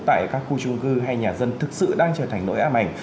tại các khu trung cư hay nhà dân thực sự đang trở thành nỗi ám ảnh